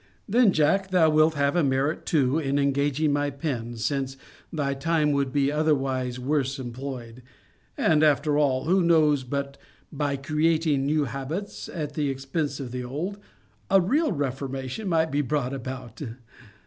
Then, Jack, thou wilt have a merit too in engaging my pen, since thy time would be otherwise worse employed: and, after all, who knows but by creating new habits, at the expense of the old, a real reformation may be brought about?